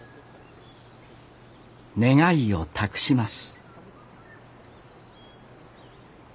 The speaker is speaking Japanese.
願いを託します